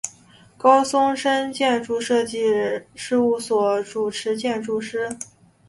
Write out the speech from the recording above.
高松伸建筑设计事务所主持建筑师。